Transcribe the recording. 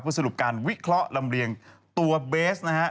สรุปการวิเคราะห์ลำเรียงตัวเบสนะฮะ